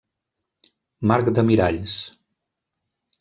Marc de Miralls: